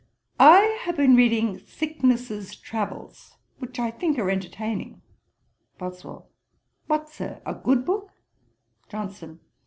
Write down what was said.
'I have been reading Thicknesse's Travels, which I think are entertaining.' BOSWELL. 'What, Sir, a good book?' JOHNSON.